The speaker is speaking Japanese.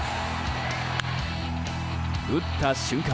打った瞬間